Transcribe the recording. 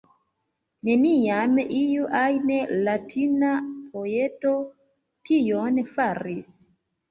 Neniam iu ajn Latina poeto tion faris!